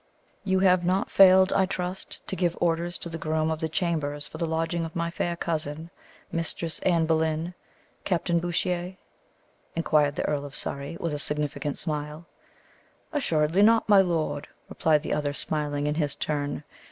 "You have not failed, I trust, to give orders to the groom of the chambers for the lodging of my fair cousin, Mistress Anne Boleyn, Captain Bouchier?" inquired the Earl of Surrey, with a significant smile. "Assuredly not, my lord!" replied the other, smiling in his turn.